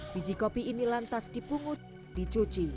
biji kopi ini lantas dipungut dicuci